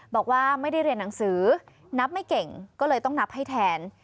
บอกว่าไม่ได้เรียนหนังสือนับไม่เก่งก็เลยต้องนับให้แทน